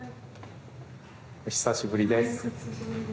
お久しぶりです。